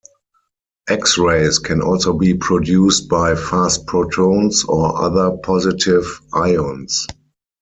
X-rays can also be produced by fast protons or other positive ions.